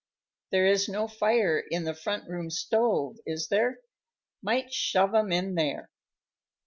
"There is no fire in the front room stove, is there? Might shove 'em in there."